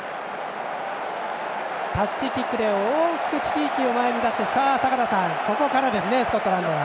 タッチキックで大きく地域を前に出してここからですねスコットランドは。